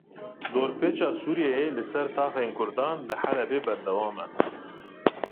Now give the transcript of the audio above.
Dorpêça Sûriyeyê li ser taxên Kurdan li Helebê berdewam e.